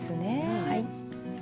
はい。